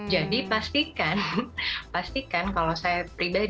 jadi pastikan pastikan kalau saya pribadi hanya menaruh sebagian